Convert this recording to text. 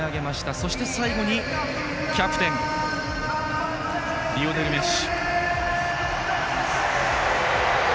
そして最後にキャプテンリオネル・メッシ。